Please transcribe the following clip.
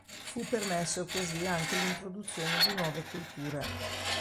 Fu permesso così anche l'introduzione di nuove colture.